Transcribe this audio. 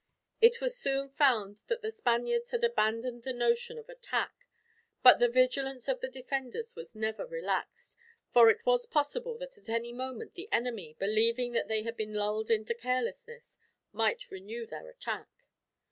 It was soon found that the Spaniards had abandoned the notion of attack; but the vigilance of the defenders was never relaxed, for it was possible, that at any moment the enemy, believing that they had been lulled into carelessness, might renew their attack.